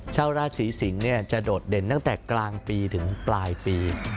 ชาวราศีสิงศ์จะโดดเด่นตั้งแต่กลางปีถึงปลายปี